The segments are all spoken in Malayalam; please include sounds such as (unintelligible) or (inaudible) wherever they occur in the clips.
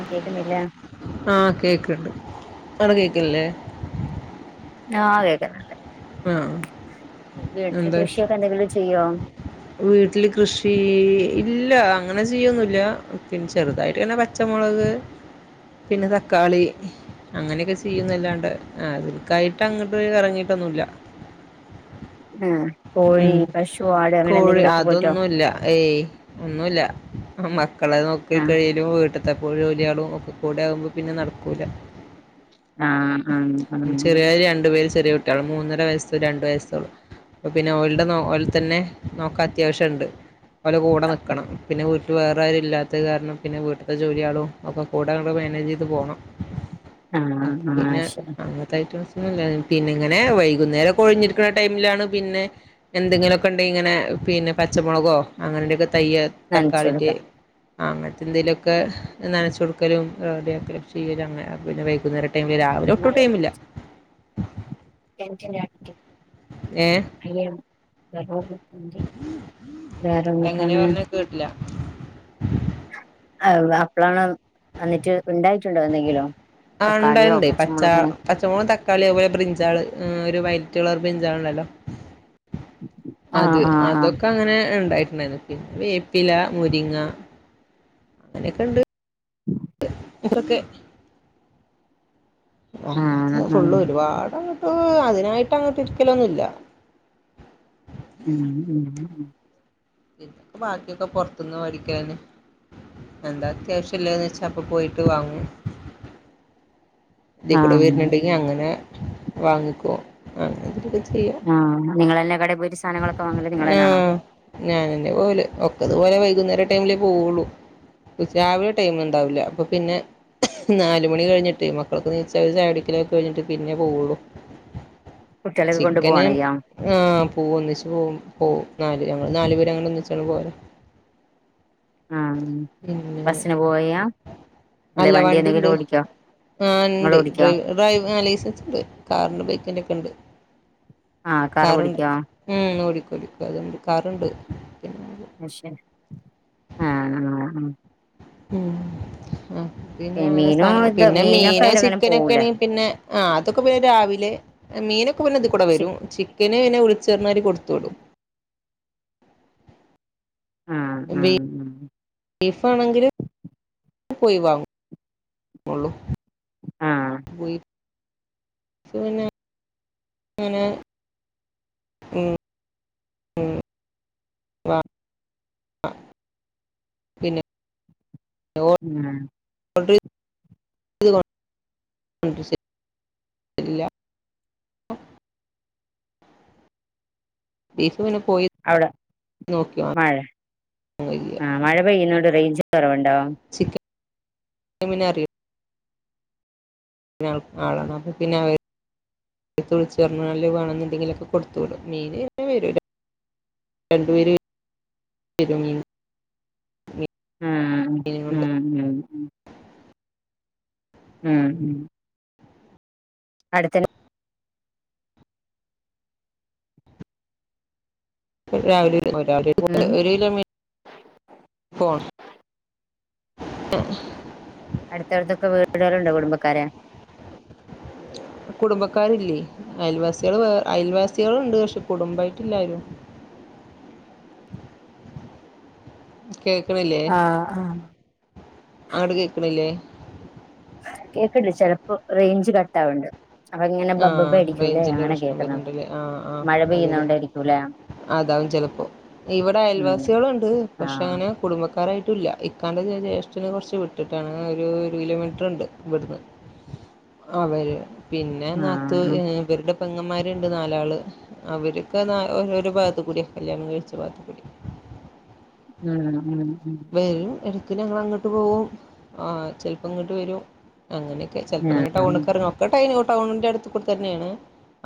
ആഹ് കേക്കുന്നില്ലേ ആഹ് കേക്ണ്ട് അവിടെ കേക് ല്ലേ ആഹ് കേക്ക്ന്ന് ണ്ട്. ആഹ് വീട്ടില് എന്താ വിഷ് കൃഷിയൊക്കെ എന്തെങ്കിലും ചെയ്യോ? വീട്ടില് കൃഷി ഇല്ല അങ്ങനെ ചെയ്യൊന്നില്ല പിന്നെ ചെറുതായിട്ട് ഇങ്ങനെ പ ച്ചമുളക് പിന്നെ തക്കാളി അങ്ങനെയൊക്കെ ചെയ്യുന്നല്ലാണ്ട് ആഹ് അതിൽക്കായിട്ട് അങ്ങട്ട് എറങ്ങീട്ടൊന്നുല്ല ഏഹ് കോഴി ഉം പശു ആട് അങ്ങനെ കോഴി എന്തെങ്കിലുമൊക്കെ പോറ്റോ അതൊന്നുല്ല ഏയ് ഒന്നുല്ല മക്കളെ നോക്കി ആഹ് കഴിയലും വീട്ട് ത്തെ പ്പോഴു ജോലിയാളും ഒക്കെ കൂടെ ആകുമ്പോ പിന്നെ നടക്കൂല ആഹ് ആഹ് ആഹ് ചെറിയവര് രണ്ടു പേര് ചെറിയ കുട്ടിയേളാ മൂന്നര വയസ്സും രണ്ടു വയസ്സൊള്ളു അപ്പ പിന്നെ ഓൽടെ നോ ഓലെ തന്നെ നോക്കാൻ അത്യാവശ്യണ്ട് ഓല കൂടെ നിക്കണം പിന്നെ വീ ട്ട് വേറാരും ഇല്ലാത്തത് കാരണം പിന്നെ വീട്ട്ത്തെ ജോലിയാളും ഒക്കെ കൂടെങ്ങട് മേനേജെയ്ത് പോണം അപ്പ ആഹ് ആഹ് പിന്നെ ശരി അങ്ങത്തയ്റ്റംസ് (unintelligible) പിന്നെ ഇങ്ങനെ വൈകുന്നേരൊക്കൊയിഞ്ഞിരിക്ക്ണ ടൈമിലാണ് പിന്നെ എന്തെങ്കിലു ഒക്കെ ഉണ്ടെങ്കി ഇങ്ങനെ പിന്നെ പച്ചമുളകോ അങ്ങനെൻ്റക്കെ തയ്യ് നനച്ചു തക്കാളിന്റെ കൊടുക്ക അങ്ങൻത്തെ എന്തേലൊക്കെ നനച്ചൊട്ക്കലും റേഡ്യാക്കല് ചീര അങ്ങനെ അപ്പപിന്നെ വൈകുന്നേര ടൈമില് രാവിലെ ഒട്ടും ടൈമില്ല എനിക്കെന്റ ഏഹ് (unintelligible) അയ്യ (unintelligible) എങ്ങനെ വേറെന്തൊക്കാണ് പറഞ്ഞ കേട്ടില്ല ആ അപ്പളാണ് വന്നിട്ട് ഉണ്ടായിട്ടുണ്ടോ എന്തെങ്കിലും തക്കാളിയോ പച്ചമുളകങ്ങനെ ഓ തക്കാളി അതുപോലെ ബ്രിഞ്ചാൾ ഒരു വൈറ്റ് കളർ ബ്രിഞ്ചാൾ ണ്ടല്ലോ ആഹ് അത് ആഹ് ആഹ് അതൊക്കെ അങ്ങനെ ഉണ്ടായിട്ടുണ്ടായിന്നു പിന്നെ വേപ്പില മുരിങ്ങ അങ്ങനെക്കെ ഉണ്ട് (unintelligible) ആഹ് അന്ന ആഹ് ഫുള്ള് ഒരുപാടങ്ങ ഹ് അതിനായിട്ടങ്ങട്ട് ഇ രിക്കലൊന്നുല്ല ഉം ഉം ഉം ഇനിക്ക് ബാക്കിയൊക്കെ പുറത്തുന്ന് വേടിക്കലെന്നെ എന്താ അത്യാവശ്യഇല്ലന്ന് വച്ചാ അപ്പൊ പോയിട്ട് വാങ്ങും ഇതികൂടെ ആഹ് വരുന്നുണ്ടെങ്കി അങ്ങനെ വാങ്ങിക്കും അങ്ങനെ എന്തേലും ആഹ് നിങ്ങളന്നെ കടെ പോയിറ്റ് സാധനങ്ങളൊക്കെ വാങ്ങ നിങ്ങളെ ന്നെണോ ആഹ് ഞാനന്നെ പോവല് ഒക്കതുപോലെ വൈകുന്നേര ടൈമിലെ പോവുള്ളൂ രാവിലെ ടൈമ് ഉണ്ടാവില്ല അപ്പൊ പിന്നെ നാലുമണി കഴിഞ്ഞ ടൈം ഒക്കെ അപ്പളക്ക് നീച്ചലും ചായ കുടിക്കലും ഒക്കെ കഴഞ്ഞിട്ട് പിന്നെ പോവുള്ളു കുട്ടികളെയൊക്കെ കൊണ്ടു ചിക്കന് പോവാണോ ചെയ്യാ ആ പൂവും ഒന്നിച്ച് പോവും നാല് ഞങ്ങ ൾ നാല് പേര് അങ്ങനെ ഒന്നിച്ചണ് പോവലാ (inaudible) ആഹ് പിന്നെ ബസിന് പോയ അല്ലെ അല്ല വണ്ടി വണ്ടിണ്ട് എന്തെങ്കിലും ഓടിക്കോ ആഹ് നിങ്ങൾ ണ്ട് ഓടിക്കോ ഡ്രൈ ഡ്രൈവ ആ ലൈസൻസ് ഉണ്ട് കാറിന്റെ ബൈക്കിന്റെഒക്കെ ഇണ്ട് ആഹ് കാർ കാറുണ്ട് ഓടിക്കോ ഉം ഓടിക്കും ഓടിക്കും ക്കോടിക്ക അതോണ്ട് കാറുണ്ട് പിന്നെ പക്ഷെ ആഹ് ആഹ് ഉം ആ പിന്നെ മീനും സാനങ്ങള് ഇത് പിന്നെ മീനൊക്കെ മീനോ അയിലങ്ങനെ ചിക്കനോ പോവൂലേ ഒക്കെയാണെങ്കി പിന്നെ ആ അതൊക്കെ പിന്നെ രാവിലെ മീനൊക്കെ പിന്നെ ഇത് കൂടെ ശി വരും ചിക്കന് പിന്നെ വിളിച്ചുറഞ്ഞാൽ കൊടുത്തു വിടും ആഹ് ആഹ് ആഹ് ബീഫ് ആണെങ്കിലും ഒഴിവാവും കൊള്ളു ആഹ് പോയി പിന്നെ ഇങ്ങനെ ഏഹ് വാ പിന്നെ ഒ ആഹ് കൊണ്ട് ഇത് കൊ ഗുൾകൂസേ ഇല്ലാ ഒഹ് ബീഫ് പിന്നെ പോയി അവ്ടെ നോക്കി വാങ്ങാൻ മഴെ കഴിയ ആഹ് മഴ പെയ്യ്ന്നോണ്ട് റെയ്ഞ്ച് കൊറവ്ണ്ടാേ ചിക്കൻ മുന്നേ അറിയു ഞ (unintelligible) ആളാണ് അപ്പൊ പിന്നെ അവെ ട്ത്ത് വ്ൾച്ച് പർഞ്ഞാല് വാങ്ങ്ണ്ടെങ്കിലൊക്കെ കൊടുത് വിടും മീന് ന്നെ വെരൂലാ രണ്ട് പേര് (unintelligible) ആഹ് ണ്ട് ഉം ഉം ആഹ് ഉം അട്ത്തന്നെ രാവിലെ വെരുംമ്പം രാവിലെ ഉം ഒര് കിലോ മീ ഫോൺ (unintelligible) അട്ത്തട്ത്തൊക്കെ വീട്കള്ണ്ടാേ കുടുംബക്കാരേ കുടുംബക്കാരില്ലേ അയൽവാസ്യേള് വേ അയൽവാസ്യേള്ണ്ട് പക്ഷെ കുടുംബായ്ട്ടില്ലാരും കേക്ക്ണില്ലേ ആഹ് ആഹ് അങ്ങട്ട് കേക്ക്ണില്ലേ കേക്ക്ണ്ട് ചെലപ്പം റെയ്ഞ്ച് കട്ടാവ്ണ്ട് അപ്പൊ ഇങ്ങെനെ ബബ്ബബ്ബ ആഹ് അടിയ്ക്കൂലേ റേഞ്ചിന്റെ അങ്ങനെ പ്രശ്നം കേക്ക്ണ് വരുന്നുണ്ടല്ലേ ആഹ് ആഹ് മഴ അതെല്ലേ പെയ്യ്ന്നാേണ്ടായ്രിക്കൂലാ അതാവും ചെലെപ്പോ ഇവിടെ അയൽവാസികള്ണ്ട് പക്ഷേ ആഹ് കുടുംബക്കാരായ്ട്ടൂല്ല ഇക്കാന്റൊരു ജ്യേഷ്ട്ടെന് കൊർച്ച് വിട്ട്ട്ടാണ് ഒരു ഒര് കിലോമീറ്ററ്ണ്ട് ഇവട്ന്ന് അവര് പിന്നെ ആഹ് നാത്തു ഉം ഏഹ് ഇവര്ടെ പെങ്ങമ്മാര്ണ്ട് നാലാള് അവരൊക്കെ നാ ഓരോരോ ഭാഗത്ത് കൂട്യാ കല്ല്യാണം കഴിച്ച ഭാഗത്ത് കൂടി ആഹ് ഉം ഉം വെരും എടെക്ക്‌ ഞങ്ങളങ്ങട്ട് പോകും ആഹ് ചെൽപ്പങ്ങട്ട് വെരും അങ്ങനെയൊക്കെ ചെപ്പോ അങ്ങെനെക്കെ ആഹ് ചെൽപ്പങ്ങനെ ടൗണ്ക്കെറങ്ങ ഒക്കെ ടൈനു ടൗണ്ന്റെ എട്ത്ത് കൂടെ തന്നേണ്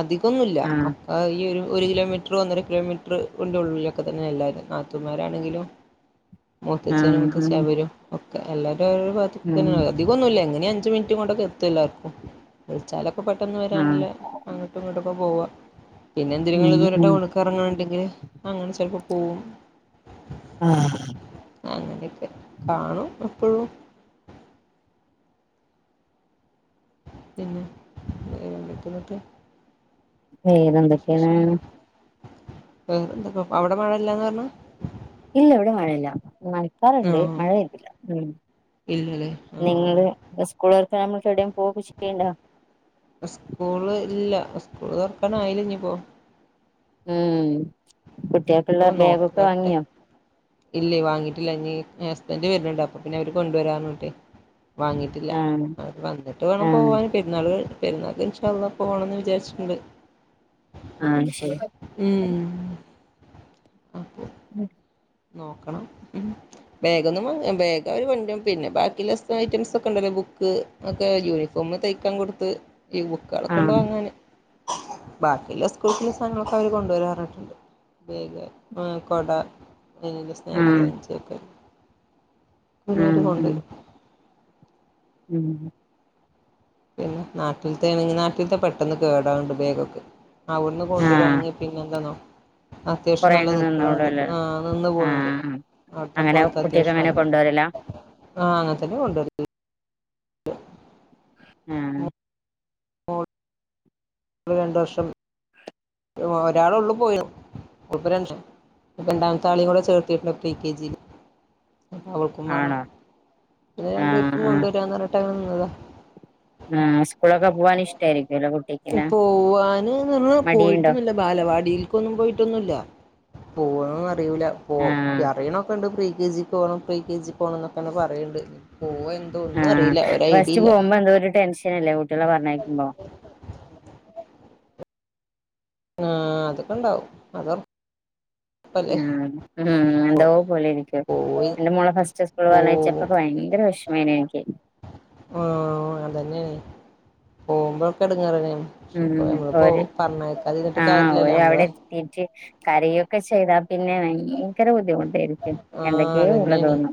അധികൊന്നുല്ലാ അം ആഹ് ഈ ഒരു ഒരു കിലോമീറ്റെറ് ഒന്നെര കിലോമീറ്റ്റ് ന്റെ ഉള്ളിലൊക്കെ തന്നെ എല്ലാരും നാത്തൂമാരാണെങ്കിലും മുത്തച്ഛനും ആഹ് മുത്തച്ഛി ഉം അവരും ഒക്കെ എല്ലാരും ഓരോരൊ ഭാഗ്ത്ത് ഉം തന്നാള്ളത് അധികാെന്നു ഇല്ല എങ്ങെനിം അഞ്ച് മിൻറ്റ് കൊണ്ടൊക്കെ എത്തും എല്ലാർക്കും വ്ൾച്ചാലൊക്കെ പെട്ടെന്ന് ആഹ് വെരാൻള്ളെ അങ്ങട്ടും ഇങ്ങട്ടൊക്കെ പോവാ പിന്നെ ഉം എന്തെരെങ്കിലും ദൂരോട്ടാ ഉം പോണ് ഇർങ്ങാണ്ടെങ്കില് അങ്ങനെ ചെൽപ്പാെ പോവും ആഹ് അങ്ങനെക്കെ കാണും എപ്പഴും പിന്നെ എന്തെക്കെന്നെട്ട് വേറെന്തൊക്കെയാണ് വിശേഷങ്ങൾ എന്തുല്ല (unintelligible) അവ്ടെ മയല്ലാന്നാ പർഞ്ഞെ ഇല്ല വെടെ മഴല്ല മഴക്കാറ്ണ്ട് മഴ ആ പെയ്തില്ലാ ഉം ഇല്ലല്ലേ ആ നിങ്ങെള് ഇസ്കൂള് തൊർക്കാവ്മ്പോൾത്ത് എവ്ടേം പോവൊക്കെ ചെയ്യ്ണ്ടാ സ്കൂള് ഇല്ല സ്കൂള് താെർക്കാനായ്ലെഞ്ഞ്പ്പോ ആയ് ഓ കുട്ട്യേക്ക്ള്ളെ ബേഗൊക്കെ നോക്കട്ടെ വാങ്ങ്യോ ഇല്ലേ വാങ്ങീട്ടില്ല ഇനി ഹസ്ബെന്റ് വെര്ണ്‌ണ്ട് അപ്പ പിന്നെ അവെര് കൊണ്ട്‌വെരാർഞ്ഞ്ട്ടെ വാങ്ങിട്ടില്ല ആഹ് അത് വന്നിട്ട് വേണം ആഹ് പോവാൻ. പെരുനാള് പെരുന്നാക്ക് ഇൻഷാള്ളാ പോണോന്ന് വിചാരിച്ചിട്ടുണ്ട്. ആഹ് അത് ശരി ഊം. ഉം നോക്കണം ഉം ബേഗൊന്നും വാങ്ങ് ബാഗ് അവര് കൊണ്ടെരും പിന്നെ ബാക്കിയുള്ള സ് ഐറ്റംസൊ ക്കണ്ടല്ലൊ ബുക്ക് ഒക്കെ ഒര് യൂണിഫോം തയ്ക്കാം കൊടുത്ത് (unintelligible) ആഹ് ക്കാളൊക്കെണ്ട് ആഹ് വാങ്ങാന് ബാക്കിള്ള സ്കൂൾ (unintelligible) സാനങ്ങളൊക്കവര് കൊണ്ടോരു അർഞ്ഞിട്ടുണ്ട്. ബേഗ് ആ കൊട (unintelligible) സ്നാക്സ് ആഹ് ലഞ്ച് ഒക്കെ പിന്നോര് ആഹ് കൊണ്ടുരും ഉം പിന്ന നാട്ടിൽത്തെ ആണെങ്കി നാട്ടിൽത്തെ പെട്ടെന്ന് കേടാവുണ്ട് ബേഗൊക്കെ അവിടുന്ന് കൊണ്ടൊരാ ആഹ് ണെങ്ങി പിന്നെ ന്താന്നോ അത്യാവശ്യം നല്ല കൊറെയങ്ങ് നിക്ക്ണ്‌ണ്ട് നിന്നോളൂല്ലേ ആഹ് നിന്ന് പോണ്‌ണ്ട്. ആഹ് അവിട്ത്തെ അങ്ങനെ കുട്ടിയൊക്കെ ക്ലോത്തത്യാവശ്യം അങ്ങനെ നല്ല. കൊണ്ടുവരലാ ആഹ് അങ്ങൻത്തന്നെയാ കൊണ്ടോര്ല്. (inaudible) ആഹ് ഒന്ന് രണ്ടു വർഷം ഉ ഒരാളുള്ള് പോയിണ് ഒപ്പരണ്ട് ഇപ്പ രണ്ടാംത്തെ ആളെയും കൂടെ ചേർത്തിട്ടിണ്ട് പ്രീ കെ ജി ല് അവൾക്കും വേണം ആണോ പിന്ന രണ്ടു ആഹ് പേർക്കും ആഹ് കൊണ്ടുവരാന്നറിഞ്ഞിട്ടങ്ങനനിന്നത ആഹ് സ്കൂളൊക്ക പോവാനി ഷ്ടരിക്കല്ലൊ കു പോവാന് ന്ന്ന്ന് മടിയുണ്ടോ പോയിട്ടൊന്നുല്ല ബാലവാടിൽക്കൊന്നും പോയിട്ടൊന്നുല്ല. (unintelligible) റിയൂല പോ കി ആഹ് അറിയണൊക്കെണ്ട് പ്രീ കെ ജി പോണം പ്രീ കെ ജി പോണം ന്നൊക്കെണ് പറയ്ണ്ട്. പോയെൻ ആഹ് ഫസ്റ്റ് പോമ്പ ന്തോരു ടെൻഷനല്ലേ കുട്ട്യളെ പർഞ്ഞേക്കുമ്പോ ആഹ് അതൊക്കെണ്ടാവും അതൊർ ഞാൻ ഉ ഹു എന്തോപോലിരിക്ക പോയി എന്റെ മോളെ ഫസ്റ്റ് സ്കൂൾ പർഞ്ഞേച്ചപ്പൊക്ക ഭയങ്കര വെഷ്മായിനു എനിക്ക് ആഹ്‌ അതന്നെയാണ് പോവുമ്പോഴൊക്കെ എടുങ്ങാറന്നെ പക്ഷെ പ്പം ഉം ഞമ്മള്പ്പൊ ഓര് പർഞ്ഞേക്കാതിരിന്ന്ട്ട് കാര്യല്ലല്ലോ ഞമ്മള് ത്തീറ്റ് കരയൊക്കെ ചെയ്താ പിന്നെ ഭയങ് ങ്കര ബുദ്ധിമുട്ടായിരിക്കും എന്തൊക്കെയോ ഉള്ള തോന്നും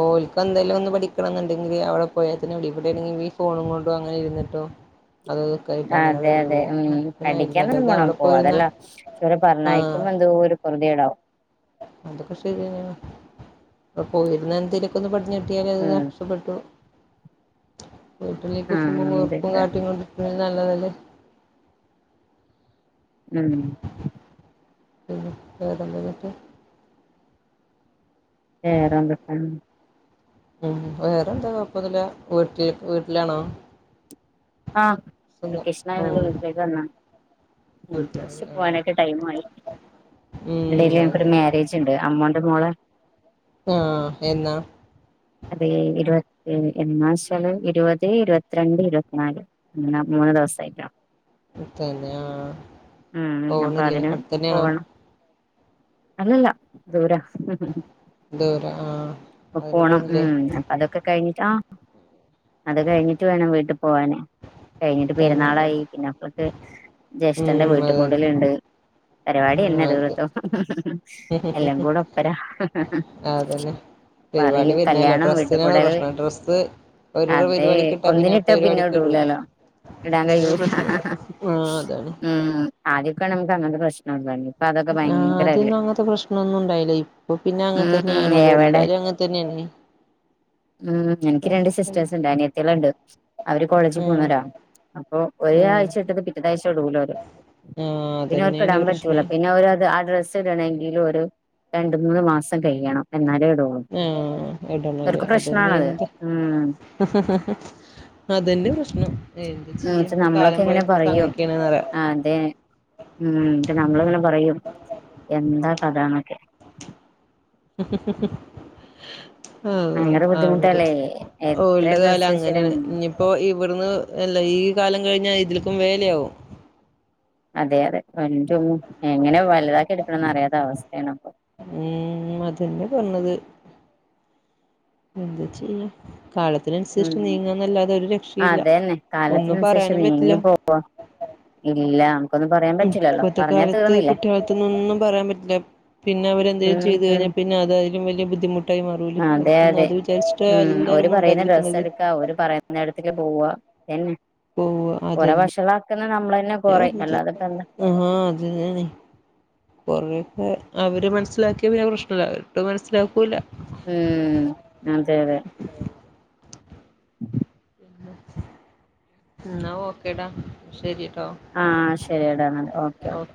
ഓൽക്കെന്തേലും ഒന്ന് പഠിക്കണംന്നുണ്ടെങ്കില് അവടെ പോയാ തന്നെ പടിക്കു ഇവിടെങ്ങനെ ഈ ഫോണും കൊണ്ടും അങ്ങനെ ഇരുന്നിട്ടോ അത് ഇതൊക്കെ ആയിട്ട് ആഹ് അങ്ങനെ അതെ കഴിഞ്ഞു അതെ ഉം പോകും അപ്പൊ പിന്നെ പഠിയ്ക്കാൻ തന്നെ നല്ലത് അവിടെ പോണം പോയിരുന്ന പോവാതല്ല പക്ഷെ ഓരെ ആഹ് പറഞ്ഞേക്കുമ്പന്തോരു പൊറ്ത്യേടാവും അതൊക്കെ ശരിയാണ് അവടെ പോയിരുന്നന്തെലും ക്കൊന്ന് പടിഞ്ഞ് കിട്ട്യാലത് ഉം രക്ഷപ്പെട്ടു. വീട്ടിലീ കുസുമ്പും ആഹ് വെർപ്പും അതെ കാട്ടി കൊണ്ട് നിക്ക്ണേൽ നല്ലതല്ലേ ഉംമ് പിന്നെ വേറെന്താന്നിട്ട്? വേറെന്തോക്കെണ്? ഉം വേറെന്താ കൊഴപ്പൊന്നുല്ല വീട്ടിൽ വീട്ടിലാണോ? ആഹ് സ്വന്തം വെക്കേശ്ണായൊണ്ട് ഉം വീട്ടിലേക്കു വന്നാ തിരിച്ച് വീട്ടിലാണല്ലേ ആഹ് പോവാനക്കെ ടൈമായി ഉം ഇതിയിലെ അതെ ടൊരു അതെ മേരെജ് ണ്ട് അമ്മോന്റെ മോളെ ആഹ് എന്നാ അത ഇരുപ എന്നാശാല് ഇരുപത് ഇരുപത്തിരണ്ട് ഇരുപത്തിനാല് ന്ന മൂന്ന് ദിവസായിട്ട തന്നെ ആ ഉം അപ്പൊ പോണില്ലേ അതിനും അടുത്തന്നെയാണോ പോണം അല്ലല്ല ദൂരാ ദൂര ആഹ് പോണം ഉം അപ്പൊ അതൊക്കെ കഴിഞ്ഞിട്ടാഹ് അത് കഴിഞ്ഞിട്ട് വേണം വീട്ടിൽ പോവാന് കഴിഞ്ഞിട്ട് തന്നെ ആ പെരുന്നാളായി പിന്നെക്കപ്പോ ജ്യേഷ്ഠന്റെ ഉം വീട്ട അതന്നെ കൂടുലുണ്ട് ആ പരിപാടിന്നെ അതെ ദിവസോം എല്ലാം കൂടെ ഒപ്പരാ അതന്നെ പരിപാടി പറയും പിന്നല്ല കല്യാണം ഡ്രസ്സിനാണ് വീട്ടുകൂടൽ പ്രശ്നം ഡ്രസ്സ് ഒരോരോ അത് പരിപാടിക്കിട്ടാ പിന്നെടുത്ത ഒന്നിനിട്ടാ പിന്നെ പരിപാടിക്ക് ഇടൂല ഇടൂലല്ലോ ഇടാൻ അരു കഴിയൂല പ്രശ്നുണ്ട് ആഹ് അതാണ് ഉം ആദ്യൊക്കെ നമുക്ക്‌ അങ്ങന പ്രശ് ആഹ് അദ്യന്നും അങ്ങനത്തെ പ്രശ്നൊന്നും ണ്ടായില്ല ഇപ്പൊ പിന്നെ ഉം അങ്ങനത്തന്നെണത് എവിടെ എല്ലാരും അങ്ങന തന്നെണ് ഉം എനിക്ക് രണ്ട് സിസ്റ്റേഴ്സ് ഉണ്ട് അനിയതിയേൾ ണ്ട് അവര് കോളേജിൽ ആ പോവുന്നൊരാ അപ്പൊ ഒര ആ ആഴ്ച ഇട്ടത് പിറ്റേ പിറ്റേതാഴ്ച ഇടൂലൊരു ആ പിന്നെ അവർക്ക് അതന്നെയാണ് ഇടാൻ പറ്റൂല പ്രശ്നേ പിന്നവരുത് ആ ഡ്ര ടണമെങ്കിലും ഒരു രണ്ട് മൂന്ന് മാസം കയ്യണം എന്നാലേ ഇടോള്ളൂ ആഹ് ഇടണല്ലേ അതന്നെ എന്താ ഉം അതന്നെ പ്രശ്നം എന്താ ഉം ചെയ്യ പ്പൊ നമ്മളൊക്കെ കാലം പോയ ഇങ്ങനെ പോക്ക പറയും അങ്ങനെക്കെ ആണ് റയാ അതെ ഉം നമ്മളിങ്ങനെ പറയും എന്താ കഥാന്നൊക്കെ (unintelligible) ആഹ് ഭയങ്കര അവര് ബുദ്ധിമുട്ടല്ലേ എത്ര ഓൾടെ കാലം ഡ്രസ്സ് ശരി അങ്ങനെയാണ് ഇഞ്‌ പ്പോ ഇവിട്ന്ന് എല്ല ഈ കാലം കഴിഞ്ഞാൽ ഇതിലുക്കും മേലെയാവും അതെ അതെ വഞ്ചും എങ്ങനെ വല്താക്കി എട്ക്കണംന്ന് അറിയാത്ത അവസ്ഥെയാണ് ഉം അതന്നെ പറഞ്ഞത് എന്താ ചെയ്യാ കാലത്തിനനുസരിച്ച് ഉം നീങ്ങാ ന്നല്ലാതെ ഒരു രക്ഷയില്ല ഒന്നും പറയാനും പറ്റില്ല വ ഇല്ലാ ന്ന് ഇപ്പത്തെ കാലത്ത് കുട്ട്യാൾട്ത്തൊന്നും പറയാൻ പറ്റില്ല പിന്നെ അവരെന്തേലും ചെയ്തു ഉം കഴിഞ്ഞാൽ പിന്നെ അതയിലും വലിയ ബുദ്ധിമുട്ടായി മാറൂല്ലേ അതെ അയ്ത്ന്ന് അതെ അത് വിചാരിച്ചു ഉം ഓര് പറയുന്ന ഡ്രസ്സ്‌ എടു ക്ക ഓര് പറഞ്ഞടത്തെക്ക് പോവ എന്നെ പോവ ഓരെ അതന്നെയാ വശളാക്കുന്ന നമ്മളന്നെ കൊറയും അല്ലാതെപ്പ എന്താ (unintelligible) ആഹ് അതന്നെണ് കുറേക്കെ അവര് മനസ്സിലാക്കിയ പിന്നെ പ്രശ്നല്ലല്ല അവര് മനസ്സിലാക്കുല്ല ഉം അതെ അതെ (inaudible) ന്നാ ഓക്കെ ടാ ശരി ട്ടോ ആഹ് ശരിയടാ ന്നാല് ഓക്കെ ഓക്കെ